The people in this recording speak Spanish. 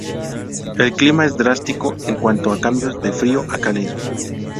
El clima es drástico en cuanto a cambios de frío a cálido.